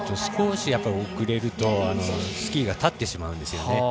少し、遅れるとスキーが立ってしまうんですね。